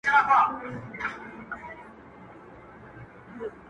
زما په دې تسبو د ذکر ثواب څو چنده دی شیخه،